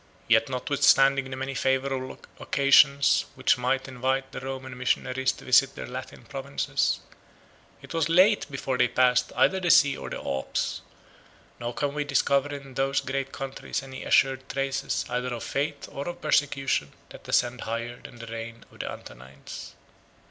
Yet notwithstanding the many favorable occasions which might invite the Roman missionaries to visit their Latin provinces, it was late before they passed either the sea or the Alps; 171 nor can we discover in those great countries any assured traces either of faith or of persecution that ascend higher than the reign of the Antonines.